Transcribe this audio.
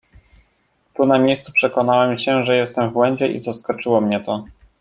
"Tu, na miejscu przekonałem się, że jestem w błędzie i zaskoczyło mnie to."